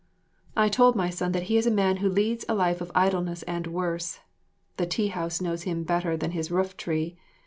I told my son that he is a man who leads a life of idleness and worse. The tea house knows him better than his rooftree.